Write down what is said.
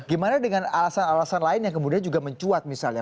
gimana dengan alasan alasan lain yang kemudian juga mencuat misalnya